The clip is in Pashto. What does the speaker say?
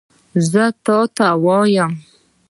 زه تا ته وایم !